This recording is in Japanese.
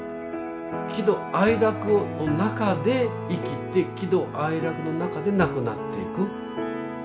喜怒哀楽の中で生きて喜怒哀楽の中で亡くなっていく。